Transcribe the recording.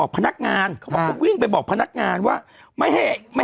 ยังไงยังไงยังไงยังไง